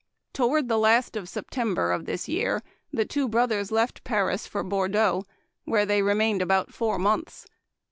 Toward the last of September of this year the two brothers left Paris for Bordeaux, where they remained about four months.